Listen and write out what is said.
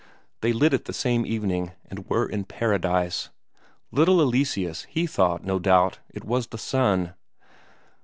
They lit it the same evening, and were in paradise; little Eleseus he thought, no doubt, it was the sun.